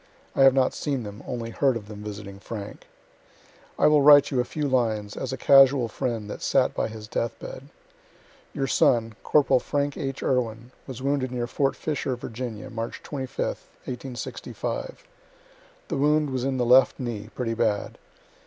(I have not seen them, only heard of them visiting Frank.) I will write you a few lines as a casual friend that sat by his death bed. Your son, corporal Frank H. Irwin, was wounded near fort Fisher, Virginia, March 25th, 1865 the wound was in the left knee, pretty bad.